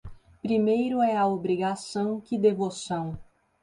Primeiro é a obrigação que devoção.